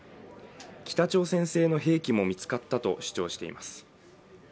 北朝鮮製の兵器も見つかったと主張しています